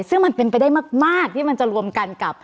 ซึ่งมันเป็นไปได้มากที่มันจะรวมกันกับ